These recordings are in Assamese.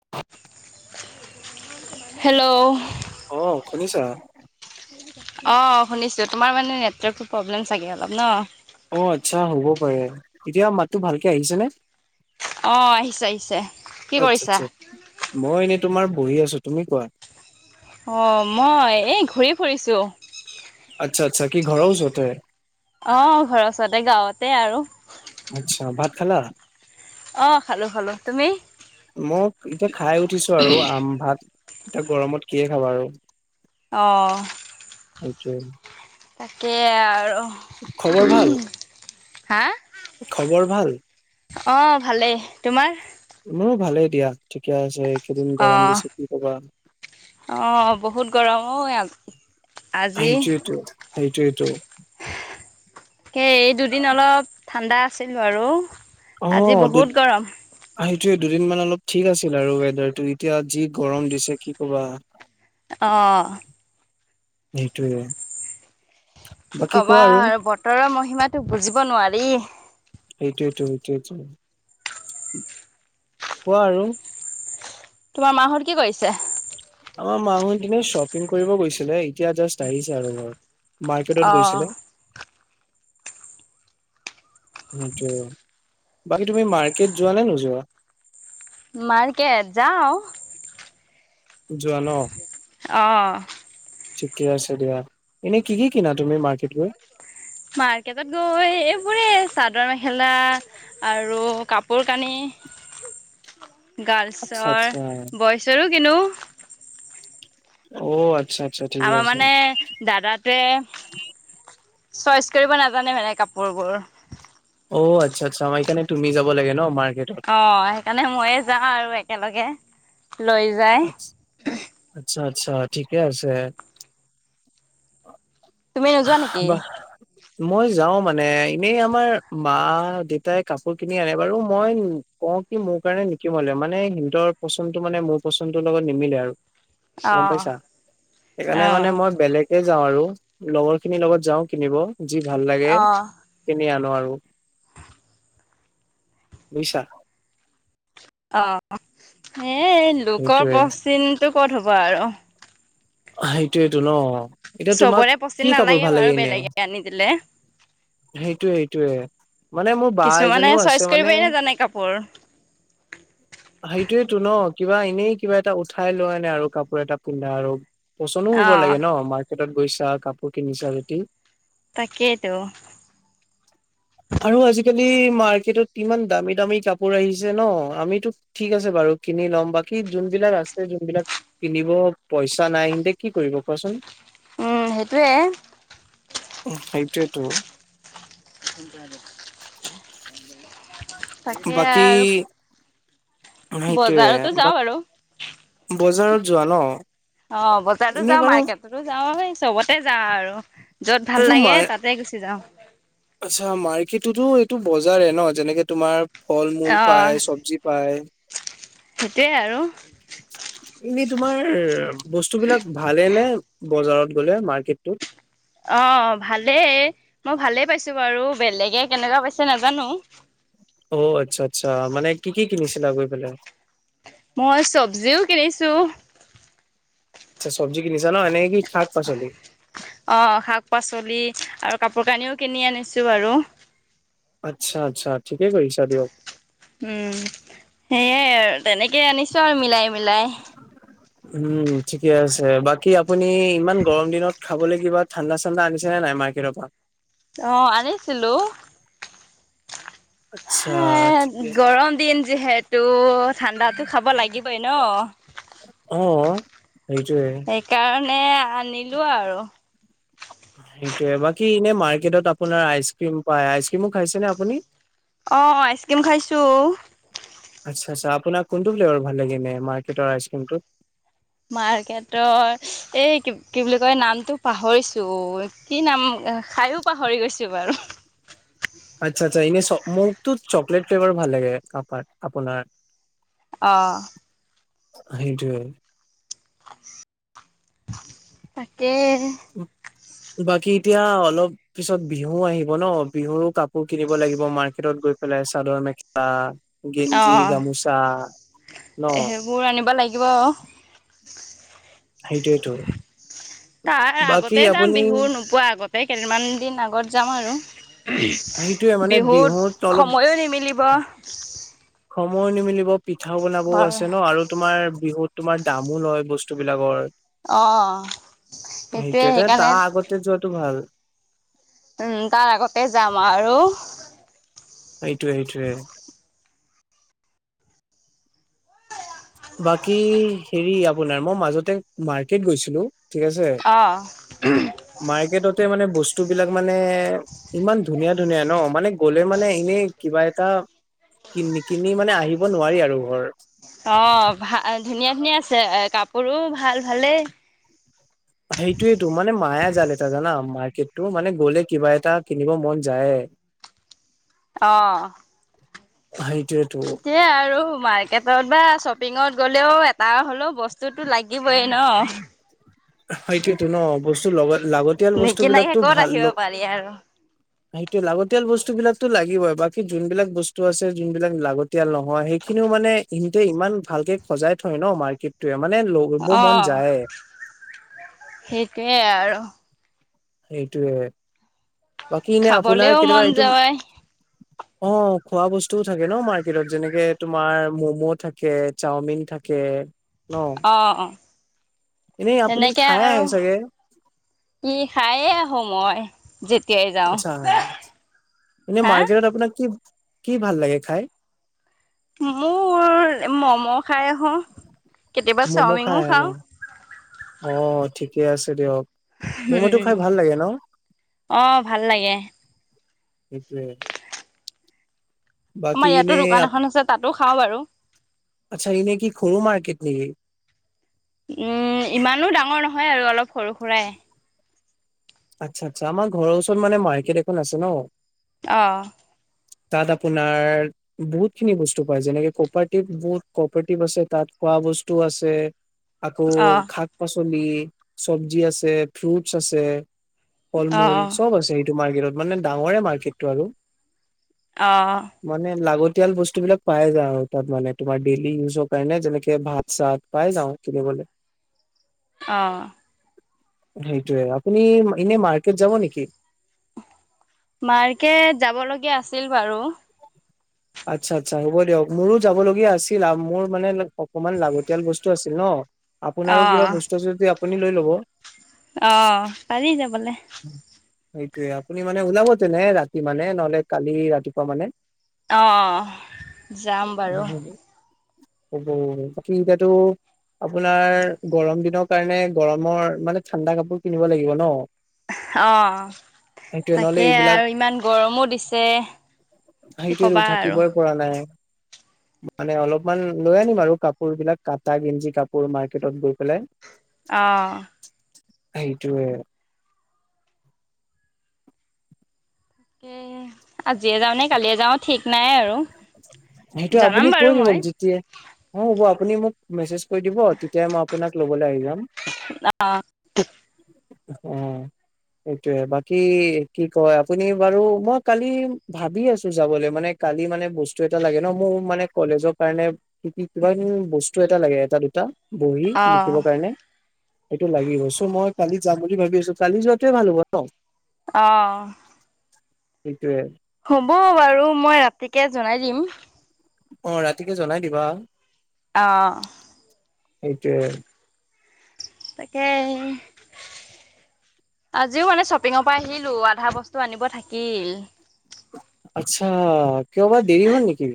হেল্ল' আহ শুনিছা অ শুনিছো তোমাৰ মানে নেটৰ্ক প্ৰব্লেম চাগে অলপ ন অ আচ্ছা হ'ব পাৰে এতিয়া মাতো ভালকে আহিছেনে অ আহিছে আহিছে কি আচ্ছা কৰিছা আচ্ছা মই এনে তোমাৰ বহি আছো তুমি কোৱা অ মই এই ঘূৰি ফুৰিছো আচ্ছা আচ্ছা কি ঘৰওচতে অ ঘৰৰ ওচৰতে গাঁৱতে আৰু আচ্ছা ভাত খালা। অ' খালোঁ খালোঁ তুমি মই এতিয়া খাই উঠিছো আৰু আম ভাতঁ এয়া গৰমত কিয়ে খাবা আৰু অঁহ ঠেংকিও তাকে আৰু খবৰ ভাল হা খবৰ ভাল অ ভালেই তোমাৰ মোৰো ভালেই দিয়া ঠিকে আছে এইকেইদিন গৰম অহঁ দিছে কি কবা আহ বহুত গৰম অহঁ সেইটোৱেইটো সেইটোৱেইটো তাকে দুদিন অলপ ঠাণ্ডা আছিলে বাৰু আজি বহুত গৰম স দুদিন মান অলপ ঠিক আছিল আৰু ৱেডাৰটো এতিয়া যি গৰম দিছে কি ক'বা অঁ সেইটোৱে কি বাকী কবা কোৱা আৰু বতৰৰ মহিমাতো বুজিব নোৱাৰি সেইটোয়েতো কোৱা আৰু তোমাৰ মাহত কি কৰিছে আমাৰ মানু দিনে শ্বপিং কৰিব গৈছিলে এতিয়া জাষ্ট আহিছে আৰু ঘৰ মাইকেডত অ', গৈছিলে [inaudible] সেইটো বাকী তুমি মাৰ্কেট যোৱা নে নোযোৱা মাৰ্কেট যাওঁ যোৱা নহঁ অঁ ঠিকে আছে দিয়া। এনেই কি কি কিনা তুমি মাৰ্কেট গৈ মাৰ্কেটত গৈ এইবোৰে চাদৰ মেখেলা আৰু কাপোৰ কানি। আচ্ছা গাৰ্লছৰ আচ্ছা বইচৰো কিনো অ' অ' আমাৰ মানে দাদাতোৱে চইচ কৰিব নাজানে মানে কাপোৰবোৰ অ' আচ্ছ আচ্ছামাৰ এইকাৰণ তুম যাব লাগে ন আমাৰ অহ সেইকাৰণে ময়ে যাওঁ আৰু একেলগে লৈ যায়। আচ্ছা আচ্ছা ঠিকে আছে। তুমি নোযোৱা নেকি? বা মই যাওঁ‌ মানে এনেই আমাৰ মা দেতাই কাপোৰ কিনি আনে বাৰু মই অ' কি মোৰ কাৰণে নিকিমলে মানে সিহঁৰ পচন্দটো মানে মোৰ পচন্দটোৰ লগত নিমিলে আৰু গম অ', পাইছা সেইকাৰণে মানে অ', মই বেলেগ। এ যাওঁ আৰু লগৰ খিনিৰ লগত যাওঁ কিনিব যি ভাল লাগে। অ', কিনি আনো আৰু বুইছা অ' এ লোকৰ সেইটোয়ে পশ্চিমতটো ক'ত হ'ব আৰু সেইটোয়েইটো ন এতিয়া তোমাক চবৰে কি পচিন কাপোৰ নালাগে ভাল বাৰু লাগে এনে। বেলেগে আনি দিলে। সেইটোৱে সেইটোৱে। মানে মোৰ বা কিছুমানে এজনীও আছে চইচ মানে। কৰিবই নাজানে কাপোৰ সেইটোয়ো ন কিবা এনেই কিবা এটা উঠাই লোৱা আনে আৰু কাপোৰ এটা পিন্ধা আৰু পচন্দো হব অ', লাগে নহ মাৰ্কেটত গৈছা। কাপোৰ কিনিছা যদি তাকেইটো আৰু আজিকালি মাৰ্কেটত ইমান দামী দামী কাপোৰ আহিছে ন। আমিতো ঠিক আছে বাৰু কিনি ল'ম। বাকী যোনবিলাক আছে যোনবিলাক কিনিব পইচা নাই। এয়া কি কৰিব কোৱাচোন। উ সেইটোৱে। উ সেইটোৱেটো। তাকে বাকী আৰু সেইটোয়ে বজাৰতো বা যাওঁ‌ আৰু বজাৰত যোৱা নহ অ' বজাৰতো যাওঁ, মাৰ্কেটতো যাওঁ, এই চবতে যাওঁ আৰু। য'ত ভাল এইটো লাগে মাৰ তাতে গুচি যাওঁ। আচ্ছা মাৰ্কেটটোতো এইটো বজাৰে ন যেনেকে তোমাৰ। ফল মূল পায় চব্জি পায়। সেইটোৱে আৰু এনে তোমাৰ বস্তুবিলাক ভালে নে বজাৰত গ'লে মাৰ্কেটতো। অ' ভালেই মই ভালেই পাইছো বাৰু বেলেগে কেনেকুৱা পাইছে নাজানো। অ' আচ্ছা আচ্ছা মানে কি কি কিনিছিলা গৈ পেলাই। মই চব্জিও কিনিছো। আচ্ছ চবজি কিনিছে। অ' শাক পাচলি আৰু কাপোৰ কানিও কিনি আনিছোঁ আৰু। আচ্ছা আচ্ছা ঠিকে কৰিছা দিয়ক। উম! সেয়াই আৰু তেনেকে আনিছোঁ আৰু মিলাই, মিলাই। উম ঠিকে আছে বাকী আপুনি ইমান গৰম দিনত খাবলে কিবা ঠাণ্ডা- চাণ্ডা আনিছে। আছে নাই মাৰকেটৰপৰা অ' আনিছিলোঁ। আচ্ছা হ ঠিকে আছে। গৰম দিন যিহেতু ঠাণ্ডাতো খাব। হাব লাগিবই ন। অহ সেইকাৰণে আনিলো আৰু সেইটোয়ে বাকী এনে মাৰ্কেটত আপোনাৰ আইচ ক্ৰীম পায় আইচ ক্ৰীমো খাইছেনে আপুনি অঁ আইচক্ৰীম খাইছোঁ আচ্ছা আচ্ছা আপোনাৰ কোনটো ফ্লেভাৰ ভাল লাগে মেম মাৰ্কেটৰ আইচক্ৰীমটো। মাৰ্কেটৰ এই কি কি বুলি কয় নামটো পাহৰিছো অ কি নাম এ খাইো পাহৰি গৈছো বাৰু আচ্ছা আচ্ছা এনে মোকটো চকলেট ফ্লেভাৰ ভাল লাগে কাপাৰ আপোনাৰ। আহ সেইটোৱে তাকে। বাকী এতিয়া অলপ পিছত বিহু আহিব ন বিহু কাপোৰ কিনিব লাগিব মাৰ্কেটত। গৈ পেলাই চাদৰ- মেখেলা। অ গেঞ্জি গামোচা ন সেইবোৰ আনিব লাগিব সেইটোয়েতো তাৰ বাকী আগতে যাম আপুনি বিহু নোপোৱা আগতে কেইদিনমান দিন আগত যাম আৰু সেইটোয়ে মানে বিহুত অলপ সময়ো নিমিলিব সময় নিমিলিব পিঠাও বনাবও আছে ন আৰু তোমাৰ বিহুত তোমাৰ দামো লয় বস্তুবিলাকৰ। অ', সেইটোৱে সেইটোৱেই সেইকাৰণে তাৰ আগতে যোৱাটো ভাল উম! তাৰ আগতে যাম আৰু। সেইটোৱেই সেইটোৱেই বাকী, হেৰি আপোনাৰ মই মাজতে মাৰ্কেট গৈছিলোঁ ঠিক আছে অ', মাৰ্কেটতে মানে বস্তু বিলাক মানে মানে ইমান ধুনীয়া ধুনীয়া ন মানে গ'লে মানে এনেই কিবা এটা কিনি কিনি মানে আহিব নোৱাৰি আৰু ঘৰ অ ভা ধুনীয়া, ধুনীয়া আছে এ কাপোৰো ভাল ভালেই। সেইটোয়েতো মানে মায়া জাল এটা যানা মা কেটটো মানে গ'লে কিবা এটা কিনিব মন যায়। অহ সেইত সেইটোৱে আৰু মাৰ্কেটত বা শ্বপিঙত গ'লেও এটা হ'লেও বস্তুতো লাগিবই ন। সেইটোয়ো ন বস্তু লগত লাগতিয়াল বস্তু নিকিনাকে বিলাকতো ক'ত ভাল আহিব পাৰি আৰু সেইটো লাগতিয়াল বস্তু বিলাকো লাগিবই বাকী যোনবিলাক বস্তু আছে যোন বিলাক লাগতিয়াল নহয় সেইখিনিও মানে সিহঁতে ইমান ভালকে সজাই থয় ন মাৰ্কেটটোয়ে মানে লব মন অ', যায় সেইটোৱে আৰু। সেইটোৱে বাকী এনে আপোনাৰ খাবলেও কেতিয়াবা মন এইটো যায় অ খোৱা বস্তুও থাকে ন মাৰ্কেটত যেনেকে তোমাৰ ম'ম' থাকে, চাওমিন থাকে, ন অহ অ এনেই আপুনি তেনেকে খাই আৰু আহে চাগে ই খায়ে আহো মই। যেতিয়াই যাওঁ। আচ্ছা এনেই হা? মাৰ্কেটত আপোনাৰ কি কি ভাল লাগে খাই মোৰ ম'ম খাই আহো। মম' খাইে ন অ ঠিকে আছে দিয়ক ম'ম'টো উম! খাই ভাল লাগে ন অহ ভাল লাগে। সেইটোৱে আমাৰ ইয়াতো দোকান এখন আছে তাতো খাওঁ বাৰু। আচ্ছা এনেই কি সৰু মাৰ্কেট নেকি? উম! ইমানো ডাঙৰ নহয় আৰু অলপ সৰু সুৰাই। আচ্ছা আচ্ছা আমাৰ ঘৰৰ ওচৰত মানে মাৰ্কেট এখন আছে ন আহঁ তাত আপোনাৰ বহুতখিনি বস্তু পায় যেনেকে কপাৰটিভ বুত কপাৰটিভ আছে তাত খোৱা বস্তু আছে। আকৌ অ', শাক পাচলি চব্জি আছে ফ্ৰুটচ আছে ফল মূল অ', চব আছে এইটো মাৰ্কেটত মানে ডাঙৰে মাৰ্কেটটো আৰু। অ', মানে লাগতি তেল বস্তুবিলাক পাই যা আৰু তাত মানে তোমাৰ ডেইলি ইউজ কাৰণে যেনেকে ভাত চাত পাই যাওঁ অহ সেইটোৱে আপুনি এনে মাৰ্কেট যাব নেকি মাৰ্কেট যাব লগীয়া আছিল বাৰু। আচ্ছা আচ্ছা হ'ব দিয়ক মোৰো যাব লগীয়া আছিল, মোৰ মানে অকনমান লাগতিয়াল বস্তু আছিল ন। আপোনাৰো কিবা অ', বস্তু যদি আপুনি লৈ ল'ব অ পাৰি যাবলে সেইটোয়ে আপুনি মানে ওলাব তেনে ৰাতি মানে নহলে কালি ৰাতিপুৱা মানে অ যাম বাৰু। অ বাকী এতিয়াতটো আপোনাৰ গৰম দিনৰ কাৰণে গৰমৰ মানে ঠাণ্ডা কাপোৰ কিনিব লাগিব ন। অ সেইটোৱে নহ'লে তাকে এইবিলাক আৰু ইমান গৰমো দিছে। সেইটোটো থাকিবই পৰা নাই উ মানে অলপমান লৈ আনিম আৰু কাপোৰ বিলাক কটা গিঞ্জি কাপোৰ মাৰ্কেটত গৈ পেলাই আহ সেইটোৱে। তাক আজিয়ে যাওঁ নে কালিয়ে যাও ঠিক নাই আৰু সেইটো জনাম আপুনি কৈ বাৰু দিব মই যেতিয়ে অ হ'ব আপুনি মোক মেছেজ দতিয়া অঁ অ সেটোয়ে বাকী কি কয় আপুনি বাৰু মই কালি ভাবি আছোঁ যাবলৈ মানে কালি মানে বস্তু এটা লাগে ন মোৰ মানে কলেজৰ কাৰণে কি কি কিবা বস্তু এটা লাগে এটা, দুটা। বহি অঁ লিখিবৰ কাৰণে সটো লাগি গৈ চ' মই কালি যাম বুলি ভাবিছো কালি যোৱাটোৱেই ভাল হব ন অঁ সেইটোৱে হ'ব বাৰু মই ৰাতিকে জনাই দিম। অ ৰাতিকে জনাই দিবা অহ। সেইটোৱ। তাকে আজিও মানে শ্বপিঙৰ পৰা আহিলো আধা বস্তু আনিব থাকিল। আচ্ছা কিয়বাৰ দেৰি হল নেকি?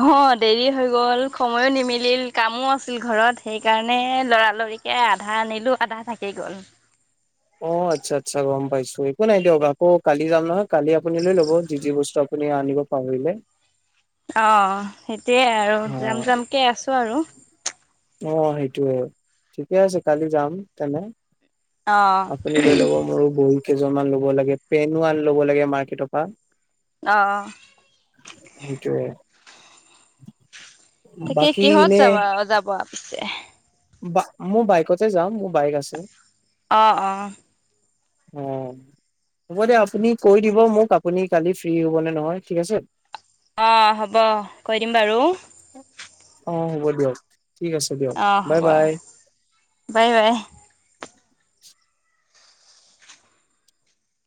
অ দেৰি হৈ গল, সময়ো নিমিলিল, কামো আছিল ঘৰত সেইকাৰণে লৰালৰিকৈ কে আধা নিলো আধা থাকি গ'ল। অ আচ্ছা আচ্ছা গম পাইছো একো নাই দিয়ক। আকৌ কালি যাম নহয় কালি আপুনি লৈ লব যি যি বস্তু আপুনি আপুনি আনিব পাহৰিলে? অ সেইটোয়ে আৰু অ জাম জামকে আছো আৰু। অ সেইটোৱে ঠিকে আছে কালি যাম তেনে। অঁ আপুনি লৈ ল মো বহুত। কেইজনমান ল'ব লাগে পেনন ল'ব লাগে মাৰ্কেটৰ পৰা। অহ অহ। সেইটোৱে। তাকে কিহত যাবা যাব পিছে? মোৰ বাইকতে যাম মোৰ বাইক আছে। অ' অহ। উম। হ'ব দে আপুনি কৈ দিব মোক আপুনি কালি ফ্ৰী হ'বনে নহয় ঠিক আছে? অ' হ'ব কৈ দিম বাৰু। অ হ'ব দিয়ক ঠিক আছে দিয়ক। অ বাই হ'ব বাই বাই বাই। [inaudible]